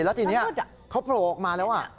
แล้วทีนี้เขาโผล่ออกมาแล้ว